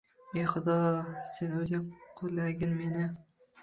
E, xudo, sen o’zing qo’llagin meni